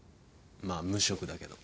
まあ無職だけど。